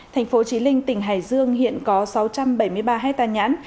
thành phố trí linh tỉnh hải dương hiện có sáu trăm bảy mươi ba hectare nhãn